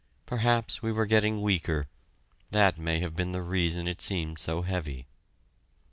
Perhaps we were getting weaker that may have been the reason it seemed so heavy.